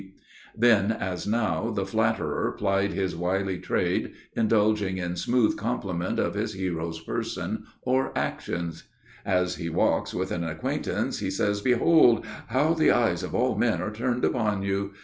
Then, as now, the flatterer plied his wily trade, indulging in smooth compliment of his hero's person or actions. "As he walks with an acquaintance, he says: 'Behold! How the eyes of all men are turned upon you!